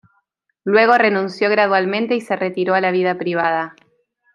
Luego renunció gradualmente y se retiró a la vida privada.